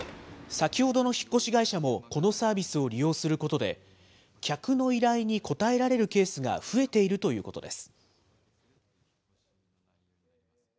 先ほどの引っ越し会社もこのサービスを利用することで、客の依頼に応えられるケースが増えているということです。